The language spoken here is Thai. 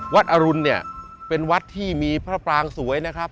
วัดอรุณเป็นวัดที่มีพระปรางสวยนะครับ